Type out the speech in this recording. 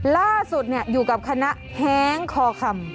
ล่าสุดอยู่กับคณะแห้งคอคำ